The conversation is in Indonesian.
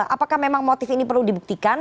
apakah memang motif ini perlu dibuktikan